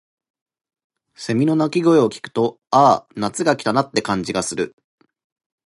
蝉の鳴き声を聞くと、「ああ、夏が来たな」って感じがする。